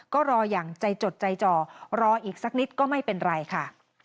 ก็รออย่างใจจดใจจ่อรออีกสักนิดก็ไม่เป็นไรค่ะ